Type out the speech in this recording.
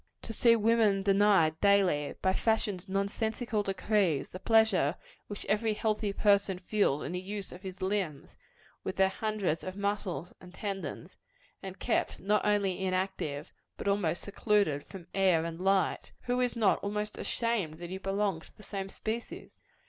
To see woman denied, daily, by Fashion's nonsensical decrees, the pleasure which every healthy person feels in the use of his limbs, with their hundreds of muscles and tendons, and kept not only inactive, but almost secluded from air and light who is not almost ashamed that he belongs to the same species?